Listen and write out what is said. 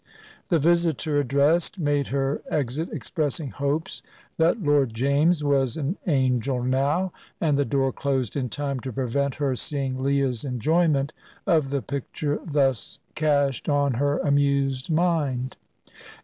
The visitor addressed made her exit expressing hopes that Lord James was an angel now, and the door closed in time to prevent her seeing Leah's enjoyment of the picture thus cashed on her amused mind.